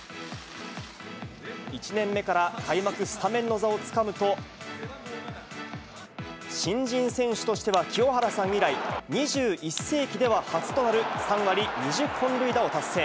１年目から開幕スタメンの座をつかむと、新人選手としては清原さん以来、２１世紀では初となる、３割２０本塁打を達成。